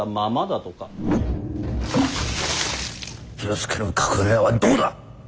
介の隠れがはどこだ？